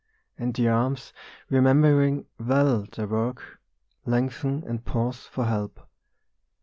" and the arms, remembering well their work, Lengthen and pause for help.